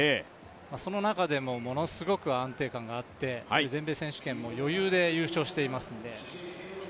その中でもものすごく安定感があって、全米選手権も余裕で優勝していますので。